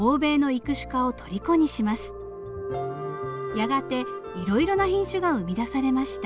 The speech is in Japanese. やがていろいろな品種が生み出されました。